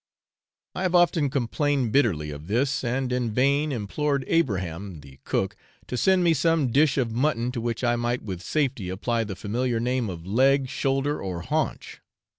I have often complained bitterly of this, and in vain implored Abraham the cook to send me some dish of mutton to which I might with safety apply the familiar name of leg, shoulder, or haunch.